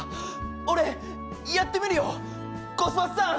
俺も、やってみるよ、コス八さん！